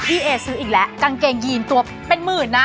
เอซื้ออีกแล้วกางเกงยีนตัวเป็นหมื่นนะ